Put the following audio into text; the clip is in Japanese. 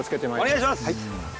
お願いします